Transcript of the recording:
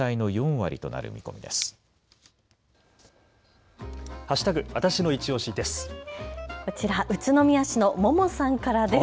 わたしのいちオシです。